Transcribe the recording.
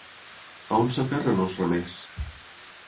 On s'aferren els remers?